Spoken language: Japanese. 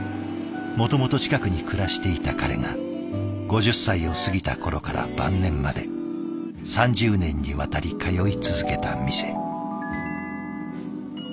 もともと近くに暮らしていた彼が５０歳を過ぎた頃から晩年まで３０年にわたり通い続けた店。